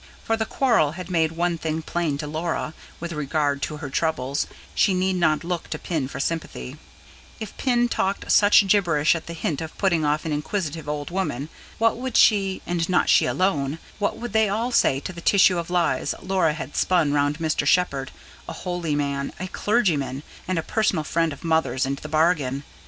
For the quarrel had made one thing plain to Laura: with regard to her troubles, she need not look to Pin for sympathy: if Pin talked such gibberish at the hint of putting off an inquisitive old woman, what would she and not she alone what would they all say to the tissue of lies Laura had spun round Mr. Shepherd, a holy man, a clergyman, and a personal friend of Mother's into the bargain?